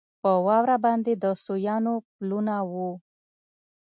پر واوره باندې د سویانو پلونه وو.